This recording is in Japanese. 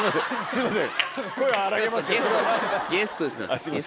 すいません。